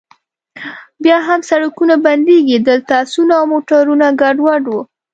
بیا هم سړکونه بندیږي، دلته اسونه او موټرونه ګډوډ و.